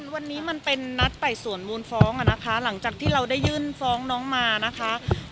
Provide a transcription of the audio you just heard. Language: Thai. วันนี้มันเป็นนัดไต่สวนมูลฟ้องอ่ะนะคะหลังจากที่เราได้ยื่นฟ้องน้องมานะคะ